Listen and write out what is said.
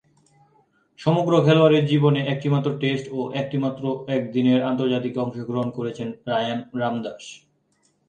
সমগ্র খেলোয়াড়ী জীবনে একটিমাত্র টেস্ট ও একটিমাত্র একদিনের আন্তর্জাতিকে অংশগ্রহণ করেছেন রায়ান রামদাস।